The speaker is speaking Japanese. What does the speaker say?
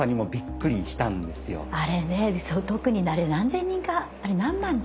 あれね相当多くあれ何千人かあれ何万だ。